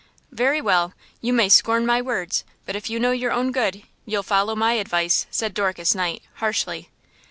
"Very well, you may scorn my words, but if you know your own good you'll follow my advice!" said Dorcas Knight, harshly.